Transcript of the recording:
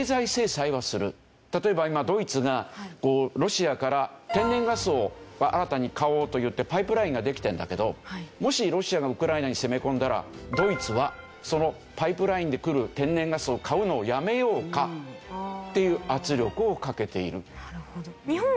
例えば今ドイツがロシアから天然ガスを新たに買おうといってパイプラインができてるんだけどもしロシアがウクライナに攻め込んだらドイツはそのパイプラインで来る天然ガスを買うのをやめようかっていう圧力をかけている。